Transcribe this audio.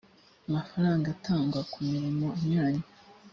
mafaranga atangwa ku mirimo inyuranye